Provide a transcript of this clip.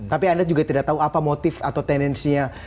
tapi anda juga tidak tahu apa motif atau tendensinya